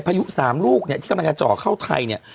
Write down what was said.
พายุ๓ลูกเนี่ยที่กำลังจะเจาะเข้าไทยเนี่ย